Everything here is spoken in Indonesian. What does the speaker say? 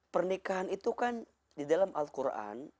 pernikahan itu kan di dalam al quran